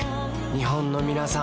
日本のみなさん